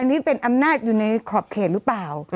อันนี้เป็นอำนาจอยู่ในขอบเขตหรือเปล่า